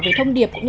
về thông điệp